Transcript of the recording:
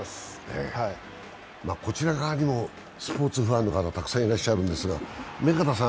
こちら側にもスポーツがお好きな方がたくさんいらっしゃるんですが。